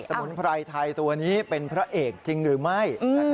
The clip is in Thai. มุนไพรไทยตัวนี้เป็นพระเอกจริงหรือไม่